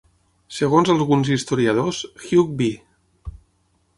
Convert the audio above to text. Segons alguns historiadors, Hugh B.